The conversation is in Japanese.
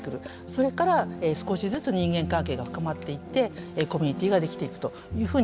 それから少しずつ人間関係が深まっていってコミュニティが出来ていくというふうに思っています。